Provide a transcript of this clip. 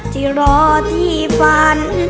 ที่รอที่ฝัน